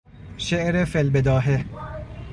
شعر فیالبداهه